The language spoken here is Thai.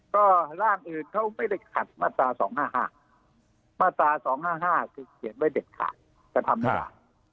ก็ร่างอื่นเขาไม่ได้ขัดมาตรา๒๕๕มาตรา๒๕๕คือเขียนไว้เด็ดขาดกระทำไม่ได้